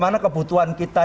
di mana kebutuhan kita